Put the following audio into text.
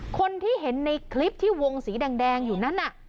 คนที่เห็นในคลิปที่วงสีแดงอยู่นั้นน่ะ